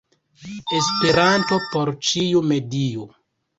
Esperanto por ĉiu medio!